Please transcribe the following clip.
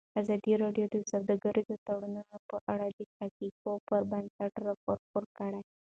ازادي راډیو د سوداګریز تړونونه په اړه د حقایقو پر بنسټ راپور خپور کړی.